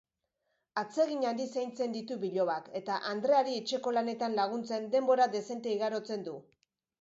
Atsegin handiz zaintzen ditu bilobak eta andreari etxekolanetan laguntzen denbora dezente igarotzen du.